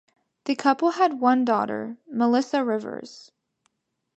The couple had one daughter, Melissa Rivers.